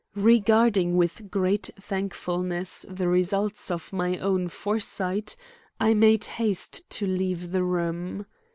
Regarding with great thankfulness the result of my own foresight, I made haste to leave the room.